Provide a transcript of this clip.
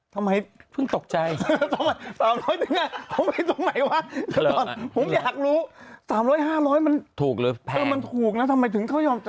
ทำไมเพิ่งตกใจอยากรู้๓๐๐๕๐๐มันถูกเลยแพงมันถูกนะทำไมถึงเข้ายอม